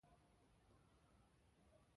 په دې ورځ د نورو ورځو